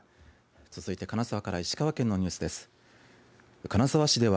続いて金沢から石川県のニュースです。